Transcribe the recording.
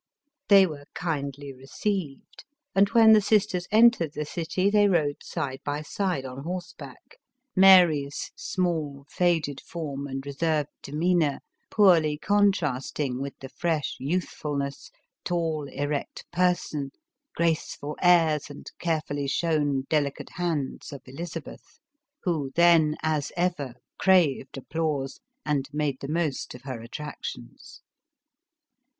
They were kindly receiv ed, and when the sisters entered the city, they rode side by side ou horseback, Mary's small, faded form and re served demeanor poorly contrasting with the fresh youthfulness, tall, .erect person, graceful airs and care fully shown, delicate hands of Elizabeth, who then as ever craved applause and made the most of her attrac tions.